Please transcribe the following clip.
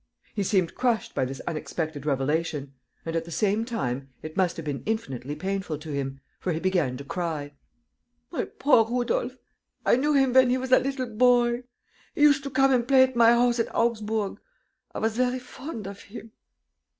He seemed crushed by this unexpected revelation; and, at the same time, it must have been infinitely painful to him, for he began to cry: "My poor Rudolf, I knew him when he was a little boy. ... He used to come and play at my house at Augsburg. ... I was very fond of him."